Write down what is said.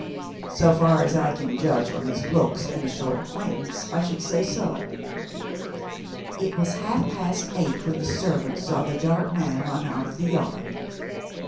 "So far as I can judge from his looks and a short acquaintance, I should say so." "It was half past eight when the servant saw the dark man run out of the yard?"